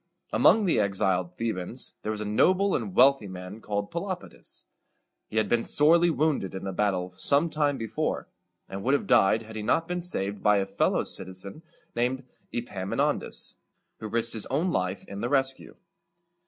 Among the exiled Thebans there was a noble and wealthy man called Pe lop´i das. He had been sorely wounded in a battle some time before, and would have died had he not been saved by a fellow citizen named E pam i non´das, who risked his own life in the rescue.